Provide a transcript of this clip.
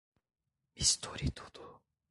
Misture tudo